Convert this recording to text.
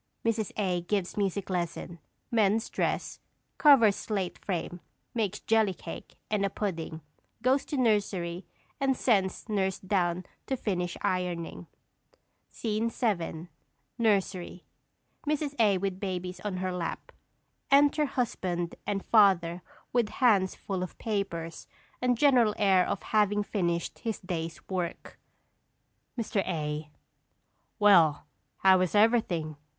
[_Mrs. A. gives music lesson; mends dress; covers slate frame; makes jelly cake and a pudding; goes to nursery and sends nurse down to finish ironing._] SCENE VII. NURSERY. [_Mrs. A. with babies on her lap. Enter husband and father with hands full of papers and general air of having finished his day's work._] Mr. A. Well, how is everything?